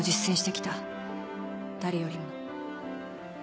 誰よりも。